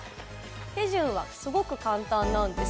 手順はすごく簡単なんです。